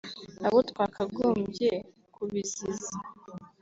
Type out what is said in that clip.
Abo twakagombye kubiziza